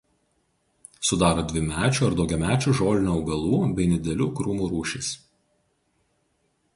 Sudaro dvimečių ar daugiamečių žolinių augalų bei nedidelių krūmų rūšys.